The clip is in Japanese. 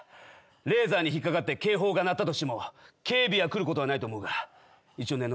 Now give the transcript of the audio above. レーザーに引っ掛かって警報が鳴ったとしても警備は来ることはないと思うが一応念のためだ。